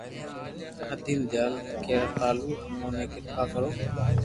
ھيدين ديال ڪرپالو امون تو ڪرپا ڪرو